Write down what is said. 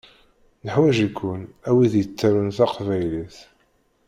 Neḥwaǧ-iken, a wid yettarun taqbaylit.